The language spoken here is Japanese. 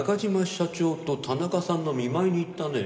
社長と田中さんの見舞いに行ったね。